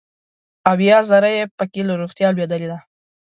اویا زره یې پکې له روغتیا لوېدلي دي.